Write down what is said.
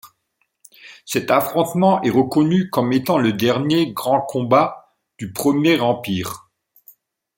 Cet affrontement est reconnu comme étant le dernier grand combat du Premier Empire.